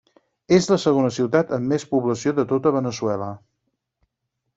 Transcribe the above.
És la segona ciutat amb més població de tota Veneçuela.